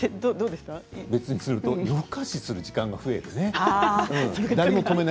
別にすると夜更かしをする時間が増えるね。